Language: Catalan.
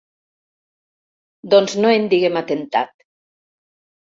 Doncs no en diguem atemptat.